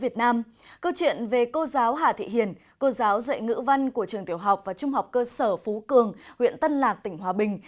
thầy cô giáo dạy ngữ văn của trường tiểu học và trung học cơ sở phú cường huyện tân lạc tỉnh hòa bình